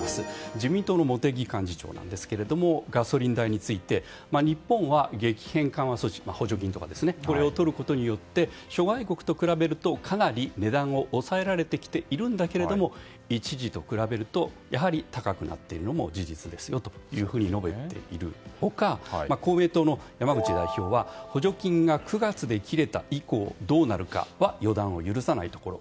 自民党の茂木幹事長なんですがガソリン代について日本は激変緩和措置補助金とかをとることによって諸外国と比べるとかなり値段を抑えられてきているんだけれども一時と比べるとやはり高くなっているのも事実ですよと述べている他公明党の山口代表も補助金が９月で切れた以降どうなるかは予断を許さないところ。